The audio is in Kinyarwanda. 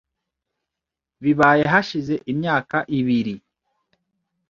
Bibaye hashize imyaka ibiri .